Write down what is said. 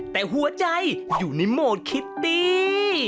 แต่หัวใจอยู่ในโหมดคิตตี้